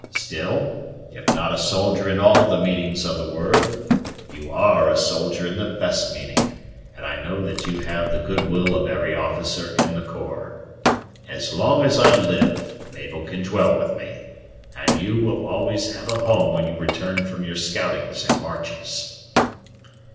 Still, if not a soldier in all the meanings of the word, you are a soldier in its best meaning, and I know that you have the good will of every officer in the corps. As long as I live, Mabel can dwell with me, and you will always have a home when you return from your scoutings and marches."